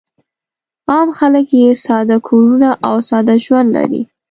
عام خلک یې ساده کورونه او ساده ژوند لري.